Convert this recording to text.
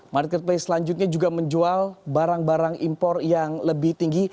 marketplace selanjutnya juga menjual barang barang impor yang lebih tinggi